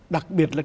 đặc biệt là